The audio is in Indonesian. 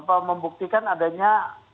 berupa membuktikan adanya